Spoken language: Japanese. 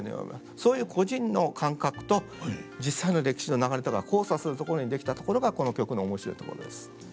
そういう個人の感覚と実際の歴史の流れとが交差するところに出来たところがこの曲の面白いところです。